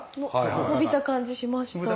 伸びた感じしました。